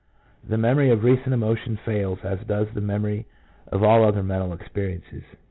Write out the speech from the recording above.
The memory of recent emotions fails, as does the memory of all other mental experiences.